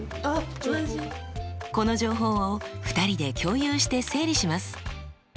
この情報を２人で共有して整理します。